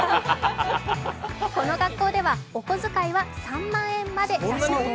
この学校ではお小遣いは３万円までだそうです。